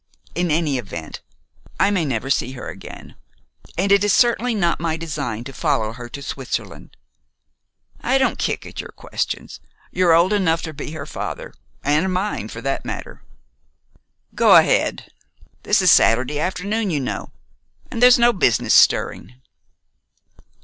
In any event, I may never see her again, and it is certainly not my design to follow her to Switzerland. I don't kick at your questions. You're old enough to be her father, and mine, for that matter. Go ahead. This is Saturday afternoon, you know, and there's no business stirring."